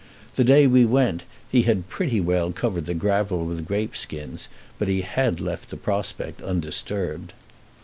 The day we went he had pretty well covered the gravel with grape skins; but he had left the prospect undisturbed.